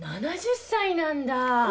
７０歳なんだ！